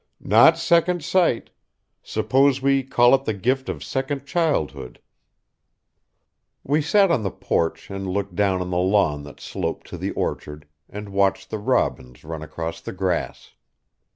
"Not second sight. Suppose we call it the gift of second childhood." We sat on the porch and looked down on the lawn that sloped to the orchard, and watched the robins run across the grass.